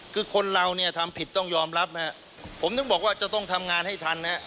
คือคนเราเนี่ยทำผิดต้องยอมรับนะฮะผมถึงบอกว่าจะต้องทำงานให้ทันนะฮะ